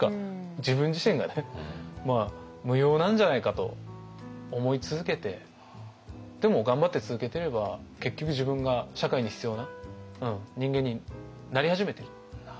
自分自身が無用なんじゃないかと思い続けてでも頑張って続けてれば結局自分が社会に必要な人間になり始めてる。